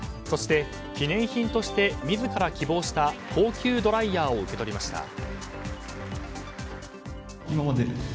そして記念品として自ら希望した高級ドライヤーを受け取りました。